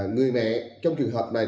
người mẹ trong trường hợp này